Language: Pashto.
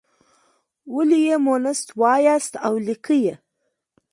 ولې یې مونث وایاست او لیکئ یې.